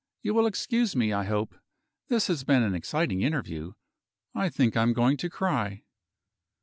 You will excuse me, I hope. This has been an exciting interview I think I am going to cry."